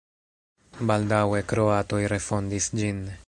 Baldaŭe kroatoj refondis ĝin.